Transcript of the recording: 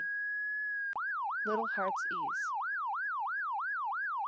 LITTLE HEART'S EASE.